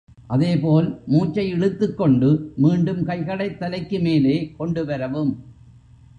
அதேபோல், மூச்சை இழுத்துக் கொண்டு, மீண்டும் கைகளைத் தலைக்கு மேலே கொண்டு வரவும்.